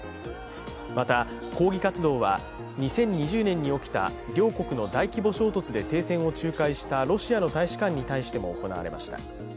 また、抗議活動は、２０２０年に起きた両国の大規模衝突で停戦を仲介したロシアの大使館に対しても行われました。